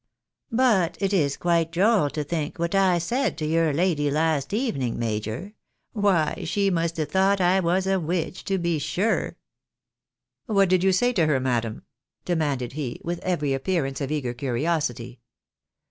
But it is quite droll to think what I said to your lady last evening, major ; why she must have thought I was a witch to be sure !"" What did you say to her, madam ?" demanded he, with every appearance of eager curiosity.